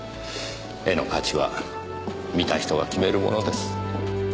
絵の価値は見た人が決めるものです。